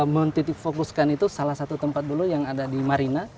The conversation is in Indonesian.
menitik fokuskan itu salah satu tempat dulu yang ada di marina